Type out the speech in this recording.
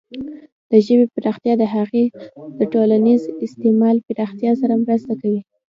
د ژبې پراختیا د هغې د ټولنیز استعمال پراختیا سره مرسته کوي.